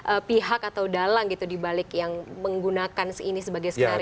atau pihak atau dalang gitu di balik yang menggunakan ini sebagai skenario utama ya